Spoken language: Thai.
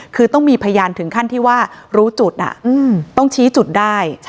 คือต้องมีพยานถึงขั้นที่ว่ารู้จุดต้องชี้จุดได้